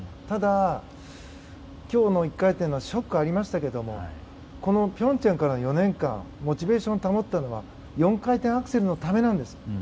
ただ、今日の１回転のショックはありましたけどこの平昌からの４年間モチベーションを保ったのは４回転アクセルのためなんです。